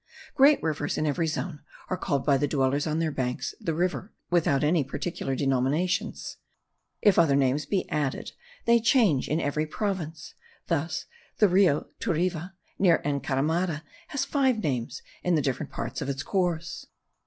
Great rivers in every zone are called by the dwellers on their banks the river, without any particular denominations. If other names be added, they change in every province. Thus the Rio Turiva, near the Encaramada, has five names in the different parts of its course.